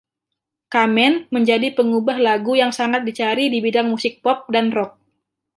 Kamen menjadi penggubah lagu yang sangat dicari di bidang musik pop dan rock.